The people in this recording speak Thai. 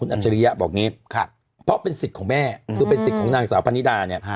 ฉริยะบอกอย่างนี้เพราะเป็นสิทธิ์ของแม่คือเป็นสิทธิ์ของนางสาวพนิดาเนี่ย